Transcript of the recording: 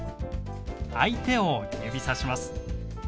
相手を指さします。